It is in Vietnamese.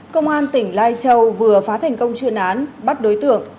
công an tỉnh lai châu vừa phá thành công chuyên án bắt đối tượng